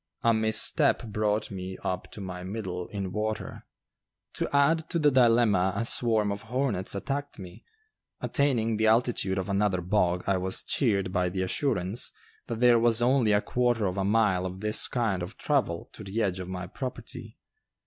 A misstep brought me up to my middle in water. To add to the dilemma a swarm of hornets attacked me. Attaining the altitude of another bog I was cheered by the assurance that there was only a quarter of a mile of this kind of travel to the edge of my property.